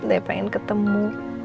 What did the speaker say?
udah pengen ketemu